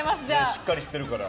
しっかりしてるから。